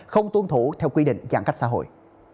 không tuân thủ theo quy định giãn cách xã hội